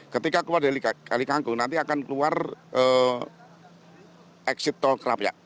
ketika keluar dari kalikangkung nanti akan keluar exit tol kelapya